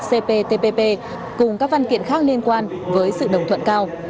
cptpp cùng các văn kiện khác liên quan với sự đồng thuận cao